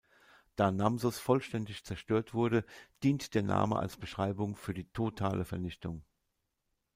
Da Namsos vollständig zerstört wurde, dient der Name als Beschreibung für die totale Vernichtung.